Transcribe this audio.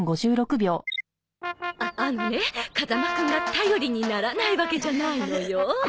ああのね風間くんが頼りにならないわけじゃないのよ。